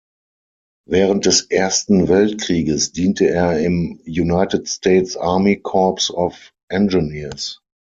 Während des Ersten Weltkrieges diente er im United States Army Corps of Engineers.